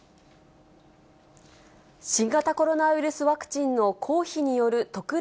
新型コロナウイルスワクチンの公費による特例